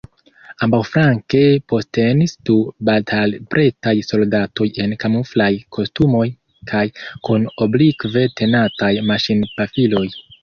Ambaŭflanke postenis du batalpretaj soldatoj en kamuflaj kostumoj kaj kun oblikve tenataj maŝinpafiloj.